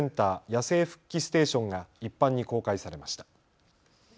野生復帰ステーションが一般に公開されました。